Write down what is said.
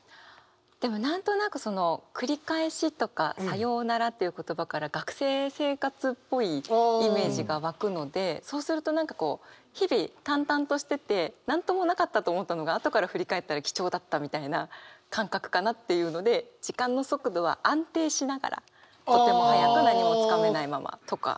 でも何となく「繰り返し」とか「さようなら」という言葉から学生生活っぽいイメージが湧くのでそうすると何かこう日々淡々としてて何ともなかったと思ったのが後から振り返ったら貴重だったみたいな感覚かなっていうので「時間の速度は安定しながらとても早くなにも掴めないまま」とかかなって思いました。